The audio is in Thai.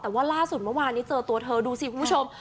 แต่ว่าล่าสุดเมื่อวานนี้เจอตัวเธอดูสิคุณผู้ชม